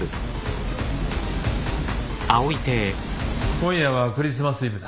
今夜はクリスマスイブだ。